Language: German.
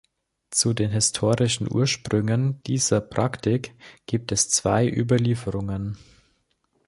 Zu den historischen Ursprüngen dieser Praktik gibt es zwei Überlieferungen.